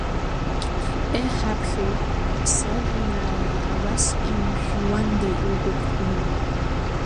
Еҳ, аԥхьаҩ, сажәеинраала абас иужәуанда иугәаԥханы!